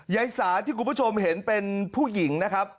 ยายสาที่คุณผู้ชมเห็นเป็นผู้หญิงนะครับ